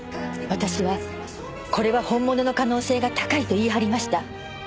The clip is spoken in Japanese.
私はこれは本物の可能性が高いと言い張りました。